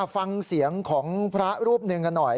ฟังเสียงของพระรูปหนึ่งกันหน่อย